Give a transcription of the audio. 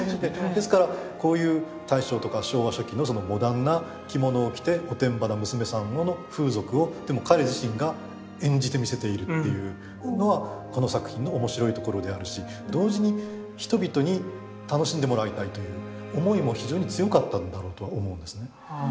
ですからこういう大正とか昭和初期のそのモダンな着物を着ておてんばな娘さんの風俗をでも彼自身が演じて見せているというのはこの作品の面白いところであるし同時に人々に楽しんでもらいたいという思いも非常に強かったんだろうと思うんですね。